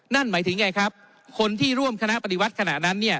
นั่นหมายถึงไงครับคนที่ร่วมคณะปฏิวัติขณะนั้น